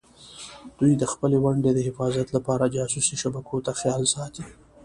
دوی د خپلې ونډې د حفاظت لپاره جاسوسي شبکو ته خیال ساتي.